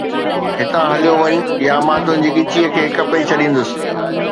ھتان ھليو وڃ، يا مان تنھنجي ڳچيءَ کي ڪپي ڇڏيندس